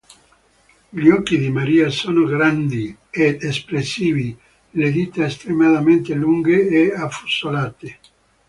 Gli occhi di Maria sono grandi ed espressivi, le dita estremamente lunghe e affusolate.